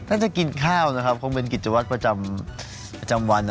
จะกินข้าวนะครับคงเป็นกิจวัตรประจำวัน